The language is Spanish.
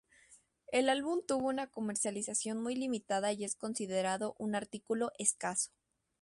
El álbum tuvo una comercialización muy limitada y es considerado un artículo escaso.